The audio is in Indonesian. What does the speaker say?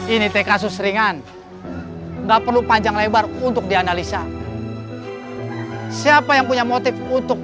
ini teka susringan enggak perlu panjang lebar untuk dianalisa siapa yang punya motif untuk